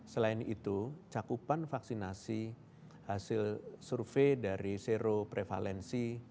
selain itu cakupan vaksinasi hasil survei dari seroprevalensi